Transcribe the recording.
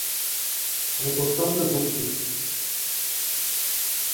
আমি অত্যন্ত দুঃখিত!